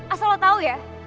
asal lo tau ya